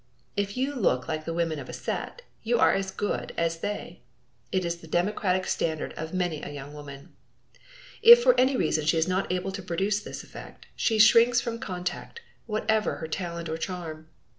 If you look like the women of a set, you are as "good" as they, is the democratic standard of many a young woman. If for any reason she is not able to produce this effect, she shrinks from contact, whatever her talent or charm!